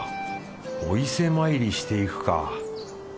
お伊勢参りしていくか。